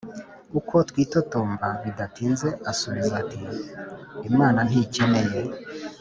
ukwo kwitotomba, bidatinze asubiza ati: “imana ntikeneye